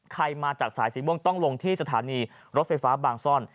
มาจากสายสีม่วงต้องลงที่สถานีรถไฟฟ้าบางซ่อน